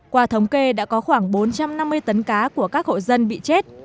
qua thống kê đã có khoảng bốn trăm năm mươi tấn cá của các hộ dân bị chết